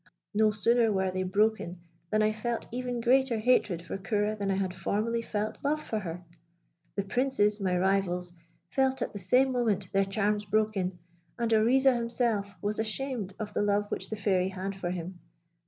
No sooner were they broken than I felt even greater hatred for Ceora than I had formerly felt love for her. The princes, my rivals, felt at the same moment their charms broken, and Oriza himself was ashamed of the love which the Fairy had for him.